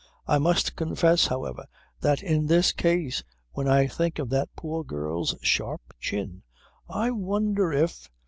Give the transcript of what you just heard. I must confess however that in this case when I think of that poor girl's sharp chin I wonder if